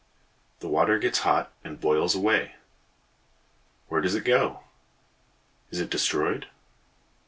The water gets hot and boils away. Where does it go? Is it destroyed?